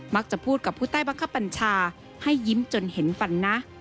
พูดกับผู้ใต้บังคับบัญชาให้ยิ้มจนเห็นฟันนะ